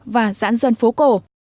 và dãn dân phố cổ